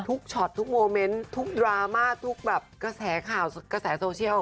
ช็อตทุกโมเมนต์ทุกดราม่าทุกแบบกระแสข่าวกระแสโซเชียล